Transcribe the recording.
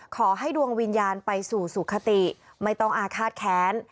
ขอให้ดวงวิญญาณไปสู่สุขติไม่ต้องอาฆาตแค้น